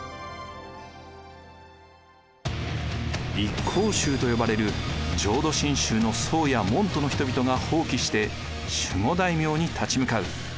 一向宗と呼ばれる浄土真宗の僧や門徒の人々が蜂起して守護大名に立ち向かう。